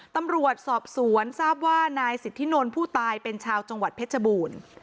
ตำรวจสอบสวนทราบว่านายสิทธินนท์ผู้ตายเป็นชาวจังหวัดเพชรบูรณ์